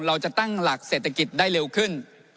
เราจะตั้งหลักเศรษฐกิจได้เร็วขึ้น